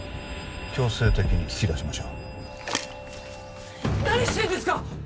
強制的に聞き出しましょう何してんですか！